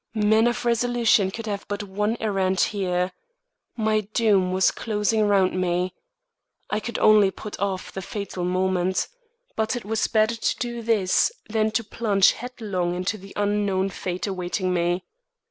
Men of resolution could have but one errand here. My doom was closing round me. I could only put off the fatal moment. But it was better to do this than to plunge headlong into the unknown fate awaiting me.